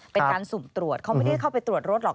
เป็นการสุ่มตรวจเขาไม่ได้เข้าไปตรวจรถหรอก